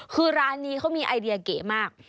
คือร้านนี้เขามีไอเดียเก๋มาก